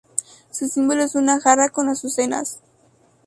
Su símbolo es una jarra con azucenas.